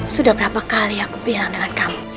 sudah berapa kali aku bilang dengan kamu